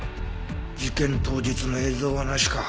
事件当日の映像はなしか。